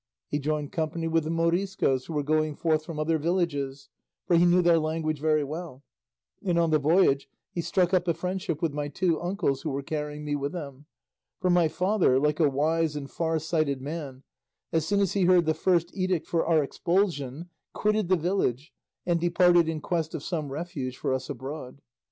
He joined company with the Moriscoes who were going forth from other villages, for he knew their language very well, and on the voyage he struck up a friendship with my two uncles who were carrying me with them; for my father, like a wise and far sighted man, as soon as he heard the first edict for our expulsion, quitted the village and departed in quest of some refuge for us abroad.